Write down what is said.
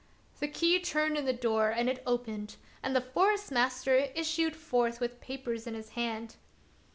The key turned in the door, it opened, and the Forest master issued forth with papers in his hand.